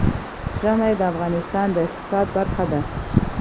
ژمی د افغانستان د اقتصاد برخه ده.